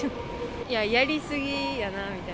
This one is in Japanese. いや、やり過ぎやなみたいな。